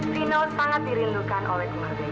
vino sangat dirindukan oleh kemarganya